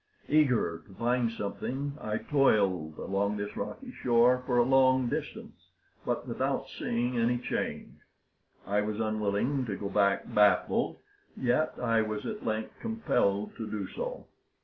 Eager to find something, I toiled along this rocky shore for a long distance, but without seeing any change. I was unwilling to go back baffled, yet I was at length compelled to do so.